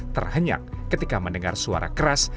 terhenyak ketika mendengar suara keras